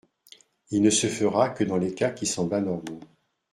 Il ne se fera que dans les cas qui semblent anormaux.